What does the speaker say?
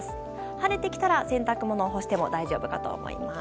晴れてきたら、洗濯物を干しても大丈夫かと思います。